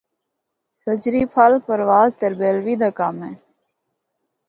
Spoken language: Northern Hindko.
’سجرے پھل‘ پرواز تربیلوی دا کم اے۔